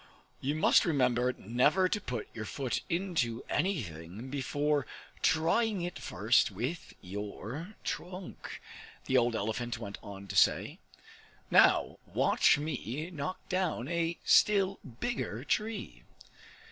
You must remember never to put your foot into anything before trying it first with your trunk," the old elephant went on to say. "Now watch me knock down a still bigger tree."